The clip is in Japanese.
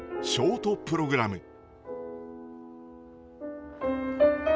ショートプログラム。